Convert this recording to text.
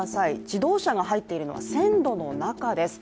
自動車が入っているのは線路の中です。